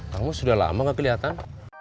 kamu sudah lama gak kelihatan